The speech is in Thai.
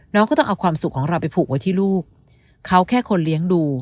น้องก็ต้องเอาความสุขของเราไปผูกไว้ที่ลูกเขาแค่คนเลี้ยงดู